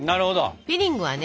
フィリングはね